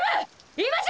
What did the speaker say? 今じゃ！